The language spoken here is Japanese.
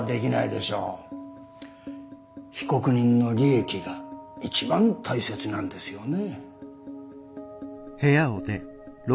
被告人の利益が一番大切なんですよね？